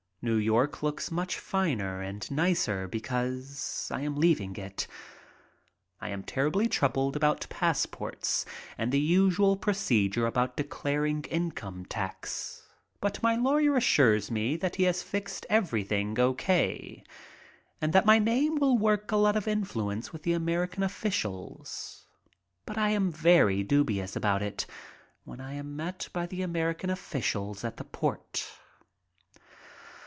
New York looks much finer and nicer because I am leaving it. I am terribly troubled about passports and the usual procedure about declaring income tax, but my lawyer reassures me that he has fixed everything O. K. and that my name will work a lot of influ ence with the American officials; but I am very dubious about it when I am met by the American officials at the port.